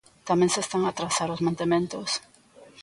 Tamén se están a atrasar os mantementos.